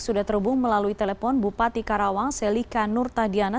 sudah terhubung melalui telepon bupati karawang selika nur tadiana